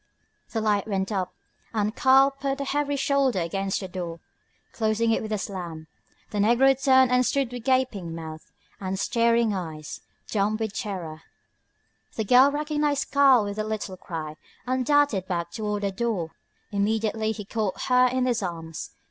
The light went up, and Karl put a heavy shoulder against the door, closing it with a slam. The negro turned and stood with gaping mouth and staring eyes, dumb with terror. The girl recognised Karl with a little cry, and darted back toward the door. Immediately he caught her in his arms.